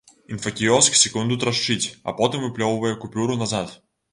Інфакіёск секунду трашчыць, а потым выплёўвае купюру назад.